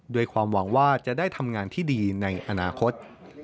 ด้วยความหวังว่าจะได้ทำงานที่ดีในอนาคต